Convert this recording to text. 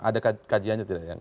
ada kajiannya tidak ya